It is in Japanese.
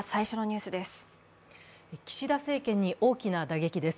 岸田政権に大きな打撃です。